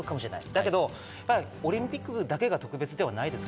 だけどオリンピックだけが特別ではないです。